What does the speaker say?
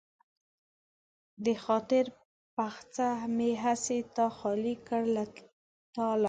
د خاطر بخڅه مې هسې تا خالي کړ له تالا